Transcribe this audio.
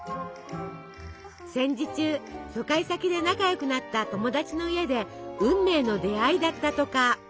戦時中疎開先で仲良くなった友達の家で運命の出会いだったとか。